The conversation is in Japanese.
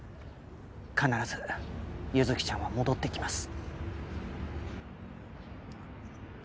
必ず優月ちゃんは戻ってきます